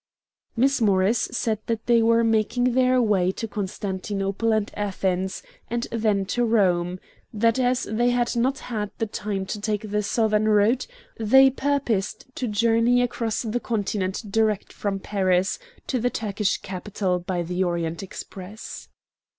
Miss Morris said that they were making their way to Constantinople and Athens, and then to Rome; that as they had not had the time to take the southern route, they purposed to journey across the Continent direct from Paris to the Turkish capital by the Orient Express.